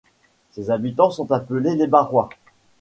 Ses habitants sont appelés les Barrois.